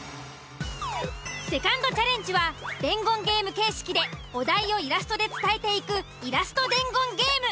セカンドチャレンジは伝言ゲーム形式でお題をイラストで伝えていくイラスト伝言ゲーム。